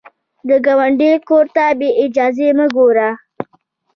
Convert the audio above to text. د ګاونډي کور ته بې اجازې مه ګوره